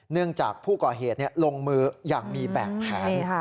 เนื่องจากผู้ก่อเหตุลงมืออย่างมีแบบแผน